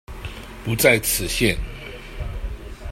不在此限